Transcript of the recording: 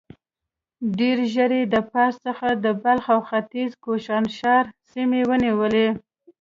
ډېر ژر يې د پارس څخه د بلخ او ختيځ کوشانښار سيمې ونيولې.